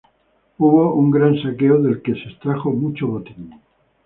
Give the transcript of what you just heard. Hubo un gran saqueo del que se extrajo mucho botín.